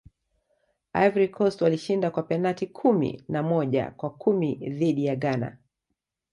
ivory coast walishinda kwa penati kumi na moja kwa kumi dhidi ya ghana